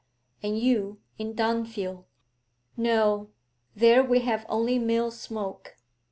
And you, in Dunfield.' 'No, there we have only mill smoke.'